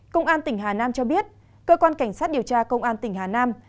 công an tỉnh hà nam cho biết cơ quan cảnh sát điều tra công an tỉnh hà nam